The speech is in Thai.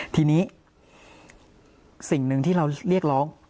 ทีนี้สิ่งหนึ่งที่เราเรียกร้อง